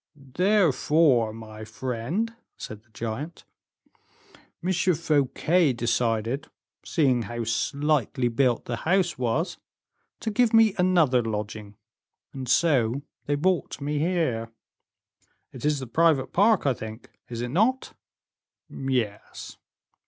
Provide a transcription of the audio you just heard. "Therefore, my friend," said the giant, "M. Fouquet decided, seeing how slightly built the house was, to give me another lodging, and so they brought me here." "It is the private park, I think, is it not?" "Yes."